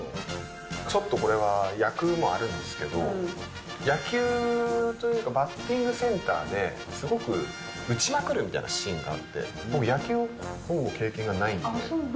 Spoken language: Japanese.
ちょっとこれは役もあるんですけど、野球というか、バッティングセンターで、すごく打ちまくるみたいなシーンがあって、僕野球はほぼ経験がないんで。